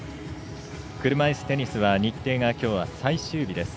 車いすテニスは日程がきょうは最終日です。